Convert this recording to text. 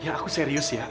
iya aku serius ya